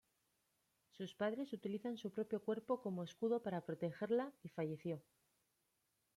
Sus padres utilizan su propio cuerpo como escudo para protegerla y falleció.